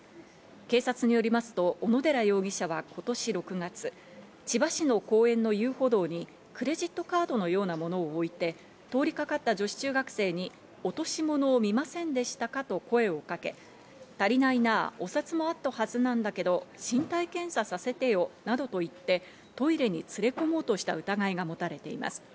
警察によりますと小野寺容疑者は今年６月、千葉市の公園の遊歩道にクレジットカードのようなものを置いて、通りかかった女子中学生に落し物を見ませんでしたかと声をかけ、足りないな、お札もあったはずなんだけど身体検査させてよなどと言ってトイレに連れ込もうとした疑いが持たれています。